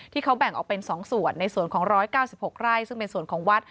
ที่เขาแบ่งออกเป็น๒ส่วนในส่วนของ๑๙๖ไร่ซึ่งเป็นส่วนของวัด